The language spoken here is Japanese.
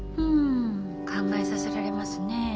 ん考えさせられますね。